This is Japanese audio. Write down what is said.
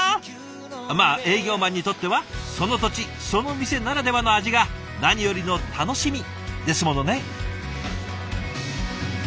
まあ営業マンにとってはその土地その店ならではの味が何よりの楽しみですものね。